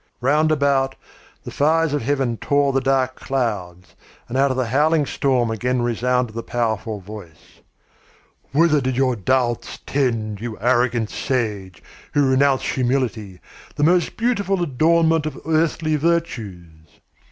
Round about, the fires of heaven tore the dark clouds, and out of the howling storm again resounded the powerful voice: "Whither did your doubts tend, you arrogant sage, who renounce humility, the most beautiful adornment of earthly virtues?